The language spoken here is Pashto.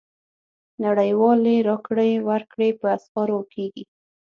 نړیوالې راکړې ورکړې په اسعارو کېږي.